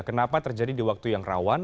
kenapa terjadi di waktu yang rawan